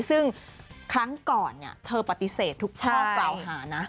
ซึ่งครั้งก่อนเธอปฏิเสธทุกข้อกล่าวหานะ